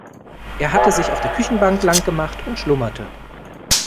Er hatte sich auf der Küchenbank lang gemacht und schlummerte.